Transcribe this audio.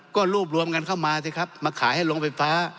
ก็รวบรวมกันเข้ามาสิครับมาขายให้โรงไฟฟ้า